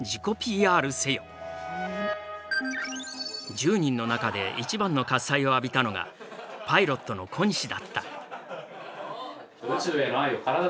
１０人の中で一番の喝采を浴びたのがパイロットの小西だった。